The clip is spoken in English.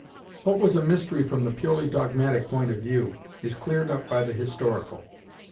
What was a mystery from the purely dogmatic point of view, is cleared up by the historical.